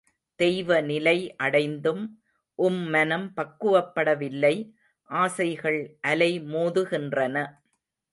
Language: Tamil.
தெய்வ நிலை அடைந்தும் உம் மனம் பக்குவப்பட வில்லை, ஆசைகள் அலை மோதுகின்றன.